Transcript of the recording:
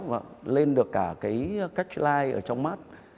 và lên được cả cái cách line ở trong mắt